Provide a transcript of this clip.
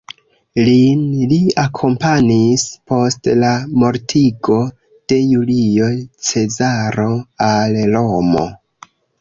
Lin li akompanis, post la mortigo de Julio Cezaro, al Romo.